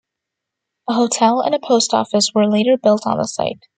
A hotel and a post office were later built on the site.